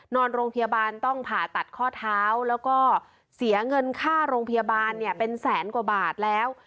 นอนโรงพยาบาลต้องผ่าตัดข้อเท้าแล้วก็เสียเงินค่าโรงพยาบาลเนี่ยเป็นแสนกว่าบาทแล้ว